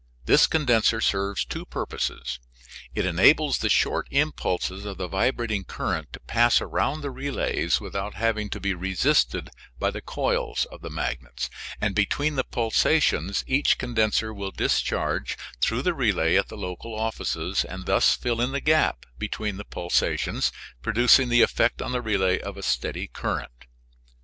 This condenser serves two purposes: It enables the short impulses of the vibrating current to pass around the relays without having to be resisted by the coils of the magnets, and between the pulsations each condenser will discharge through the relay at the local offices, and thus fill in the gap between the pulsations, producing the effect on the relay of a steady current.